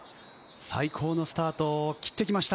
最高のスタートを切ってきました。